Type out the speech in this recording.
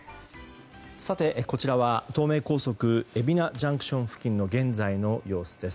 こちらは東名高速海老名ＪＣＴ付近の現在の様子。